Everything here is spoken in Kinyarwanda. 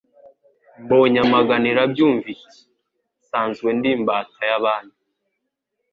Mbonyamagana irabyumva Iti: nsanzwe ndi imbata y'Abami,